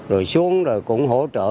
rồi xuống rồi cũng hỗ trợ